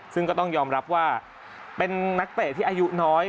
ซึ่งก็ต้องยอมรับว่าเป็นนักเตะที่อายุน้อย